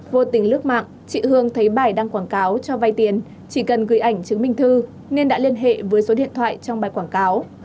vô tình lướt mạng chị hương thấy bài đăng quảng cáo cho vay tiền chỉ cần gửi ảnh chứng minh thư nên đã liên hệ với số điện thoại trong bài quảng cáo